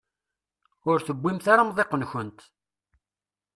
Ur tewwimt ara amḍiq-nkent.